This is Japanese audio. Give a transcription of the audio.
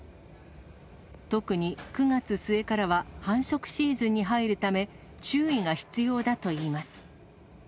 特に９月末からは、繁殖シーズンに入るため、注意が必要だといいます。